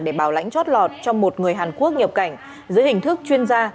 để bảo lãnh chót lọt cho một người hàn quốc nhập cảnh dưới hình thức chuyên gia